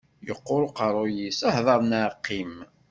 Yeqqur uqerruy-is, hder neɣ qqim.